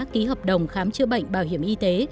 ký hợp đồng khám chữa bệnh bảo hiểm y tế